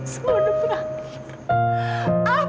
semua sudah berakhir